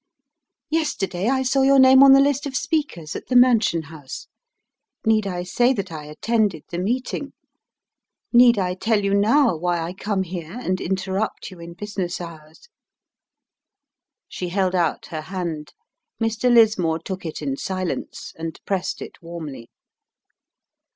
Yesterday I saw your name on the list of speakers at the Mansion House. Need I say that I attended the meeting? Need I tell you now why I come here and interrupt you in business hours?" She held out her hand. Mr. Lismore took it in silence, and pressed it warmly.